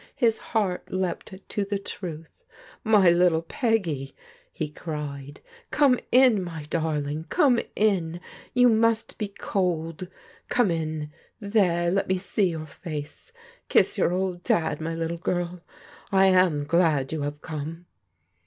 His heart leapt to the truth. " My little Peggy !" he cried. " Come in, my darling I Come in; you must be cold. Qjme in! — ^There, let me see your face. Kiss your old Dad, my little girl! I am glad you have come